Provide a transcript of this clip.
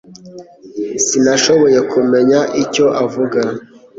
Sinashoboye kumenya icyo avuga